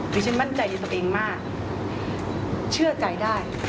ฉันมั่นใจในตัวเองมากเชื่อใจได้